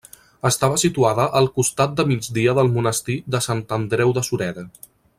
Estava situada al costat de migdia del monestir de Sant Andreu de Sureda.